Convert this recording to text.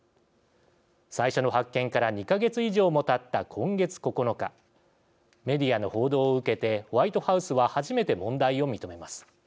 最初の発見から２か月以上もたった今月９日メディアの報道を受けてホワイトハウスは初めて問題を認めます。